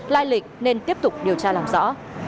lai lịch nên tiếp tục điều tra làm rõ